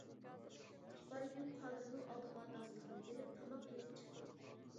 ئىپارگۈل قادىرنىڭ ئالدىغا داستىخان سېلىپ تاماق ئېلىپ چىقتى.